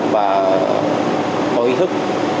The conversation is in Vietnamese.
và có ý thức